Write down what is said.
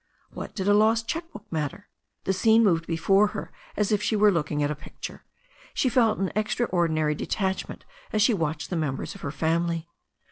What did a lost cheque book matter? The scene moved before her as if she were looking at a picture. She felt an extraordinary detachment as she watched the members of her family.